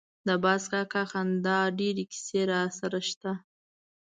د باز کاکا د خندا ډېرې کیسې راسره شته.